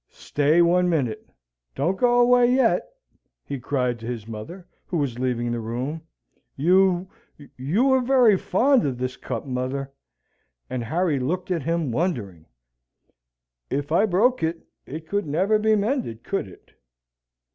"Stay one minute. Don't go away yet," he cried to his mother, who was leaving the room. "You you are very fond of this cup, mother?" and Harry looked at him, wondering. "If I broke it, it could never be mended, could it?